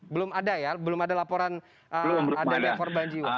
belum ada ya belum ada laporan ada korban jiwa